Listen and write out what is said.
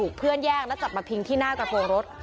เพื่อนแยกแล้วจับมาพิงที่หน้ากระโปรงรถ